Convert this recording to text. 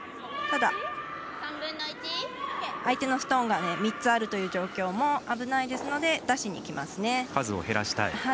ただ、相手のストーンが３つあるという状況も危ないですので出しにいきますね。